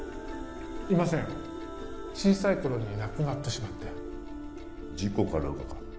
いません小さい頃に亡くなってしまって事故か何かか？